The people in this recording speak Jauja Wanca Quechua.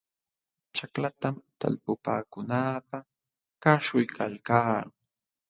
Ćhaklatam talpupaakunaapaq kaśhuykalkaa.